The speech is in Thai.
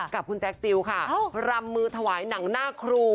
กับคุณแจ็คจิลค่ะรำมือถวายหนังหน้าครู